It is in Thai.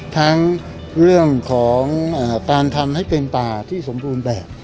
ทั้งเรื่องของการทำให้เป็นป่าที่สมบูรณ์แบบ